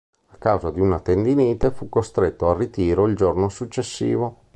A causa di una tendinite fu costretto al ritiro il giorno successivo.